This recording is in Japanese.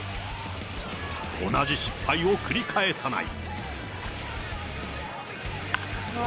同じ失敗を繰り返さない。